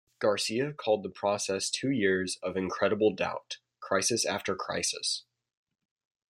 Garcia called the process two years of incredible doubt, crisis after crisis.